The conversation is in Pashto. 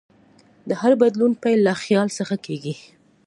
د هر بدلون پیل له خیال څخه کېږي.